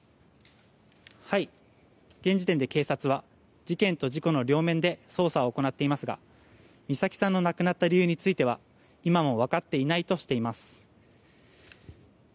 現時点で警察は事件と事故の両面で捜査を行っていますが美咲さんの亡くなった理由については今もわかっていないとしています。